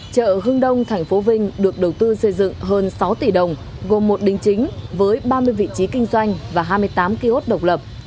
chợ hưng đông tp vinh được đầu tư xây dựng hơn sáu tỷ đồng gồm một đình chính với ba mươi vị trí kinh doanh và hai mươi tám kiosk độc lập